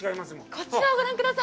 こちらをご覧ください。